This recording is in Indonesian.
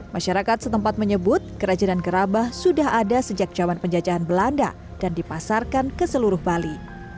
masyarakat setempat menyebut kerajinan gerabah sudah ada sejak zaman penjajahan belanda dan dipasarkan ke seluruh bali